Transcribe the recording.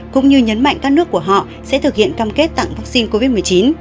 cũng như nhấn mạnh các nước của họ sẽ thực hiện cam kết tặng vaccine covid một mươi chín